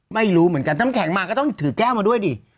ไม่รู้เหมือนกันน้ำแข็งมาก็ต้องถือแก้วมาด้วยดิ